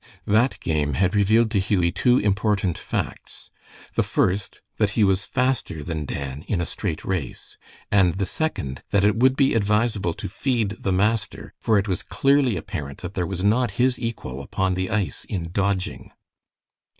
That game had revealed to Hughie two important facts: the first, that he was faster than Dan in a straight race; and the second, that it would be advisable to feed the master, for it was clearly apparent that there was not his equal upon the ice in dodging.